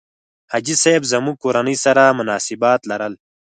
حاجي صاحب زموږ کورنۍ سره مناسبات لرل.